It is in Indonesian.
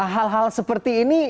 hal hal seperti ini